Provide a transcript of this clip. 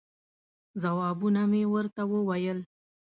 ځوابونه مې ورته وویل.